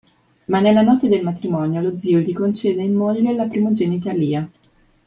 Ma nella notte del matrimonio lo zio gli concede in moglie la primogenita Lia.